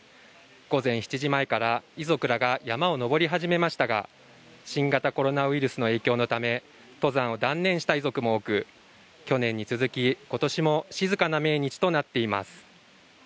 午前７時前から遺族らが山を登り始めましたが新型コロナウイルスの影響のため登山を断念した遺族も多く去年に続き今年も静かな命日となっています